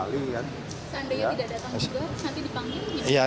seandainya tidak datang juga nanti dipanggil